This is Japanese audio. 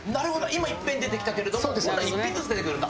今いっぺんに出てきたけれども本来は１品ずつ出てくるんだ。